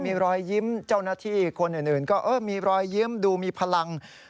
มีรอยยิ้มเจ้าหน้าที่คนอื่นก็มีรอยยิ้มดูมีพลัง